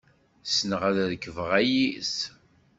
Ssneɣ ad rekbeɣ ayis.